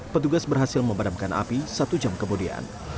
petugas berhasil memadamkan api satu jam kemudian